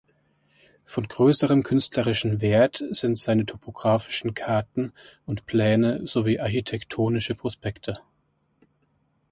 Von größerem künstlerischen Wert sind seine topografischen Karten und Pläne sowie architektonische Prospekte.